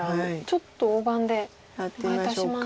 ちょっと大盤でお願いいたします。